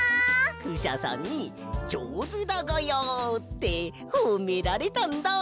クシャさんに「じょうずだがや」ってほめられたんだ！